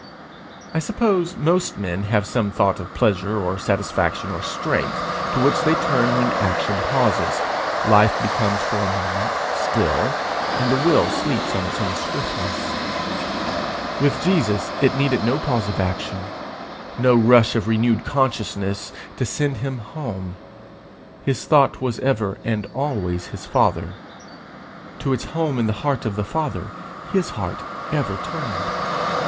I suppose most men have some thought of pleasure or satisfaction or strength to which they turn when action pauses, life becomes for a moment still, and the wheel sleeps on its own swiftness: with Jesus it needed no pause of action, no rush of renewed consciousness, to send him home; his thought was ever and always his Father. To its home in the heart of the Father his heart ever turned.